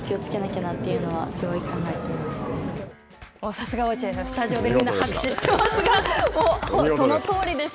さすが落合さん、スタジオでみんな拍手してますが、そのとおりです。